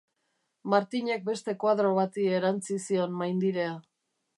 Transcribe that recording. Martinek beste koadro bati erantzi zion maindirea.